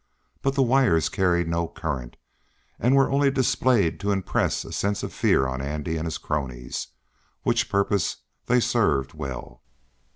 But the wires carried no current, and were only displayed to impress a sense of fear on Andy and his cronies, which purpose they served well.